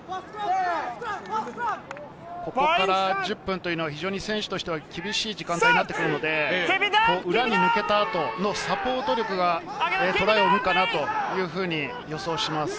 ここから１０分は非常に選手としては厳しい時間帯になってきますので、抜けた後のサポート力が、トライを生むかなというふうに予想します。